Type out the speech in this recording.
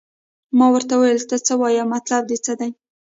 ما ورته وویل ته څه وایې او مطلب دې څه دی.